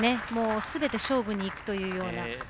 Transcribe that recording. すべて勝負にいくというような。